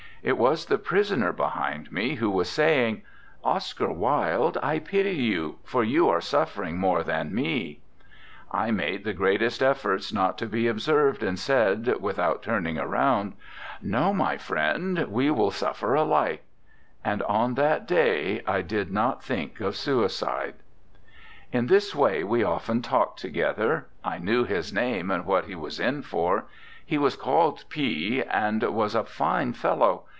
It was the prisoner behind me, who was saying: 'Oscar Wilde, I pity you, for you are suffering more than me/ I made the greatest efforts not to be observed, and said, without turning around: 'No, my friend; we all suffer alike/ And on that day I did not think of suicide. 56 ANDRE GIDE " In this way we often talked together. I knew his name and what he was in for. He was called P , and was a fine fellow!